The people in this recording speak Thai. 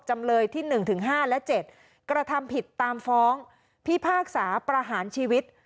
จำเลยที่๑๕และ๗กระทำผิดตามฟ้องพิพากษาประหารชีวิต